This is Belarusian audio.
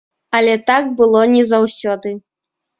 Але так было не заўсёды.